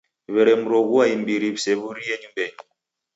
W'eremroghua imbiri w'isew'urie nyumbenyi.